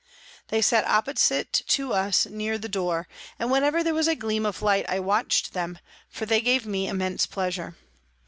They sat opposite to us near the door, and whenever there was a gleam of light I watched them, for they gave me immense pleasure.